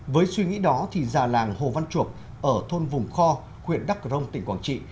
với suy nghĩ đó thì già làng hồ văn chuộc ở thôn vùng kho huyện đắk rông tỉnh quảng trị